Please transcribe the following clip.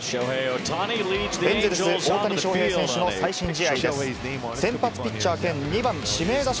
エンゼルス・大谷翔平選手の最新試合です。